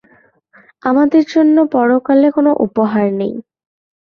আমাদের জন্য পরকালে কোনো উপহার নেই।